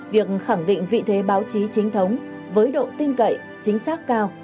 việc khẳng định vị thế báo chí chính thống với độ tin cậy chính xác cao